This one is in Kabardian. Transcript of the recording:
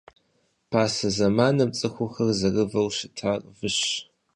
Пасэ зэманым цӏыхухэр зэрывэу щытар выщ.